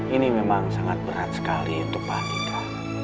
ini memang sangat berat sekali untuk pak andika